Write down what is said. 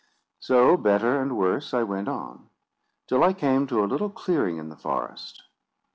So, better and worse, I went on, till I came to a little clearing in the forest.